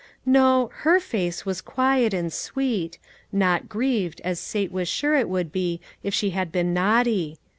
No, her face was quiet and sweet; not grieved, as Sate was sure it would be, if she had been naughty.